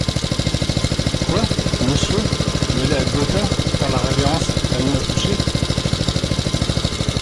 Quoi, monsieur, d’aller à Gotha, faire la révérence à une accouchée ?